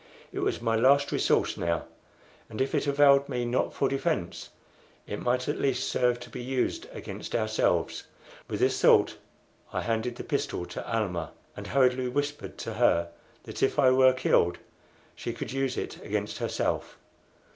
It was my last resource now; and if it availed not for defence it might at least serve to be used against ourselves. With this thought I handed the pistol to Almah, and hurriedly whispered to her that if I were killed, she could use it against herself.